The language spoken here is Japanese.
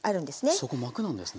そこ膜なんですね。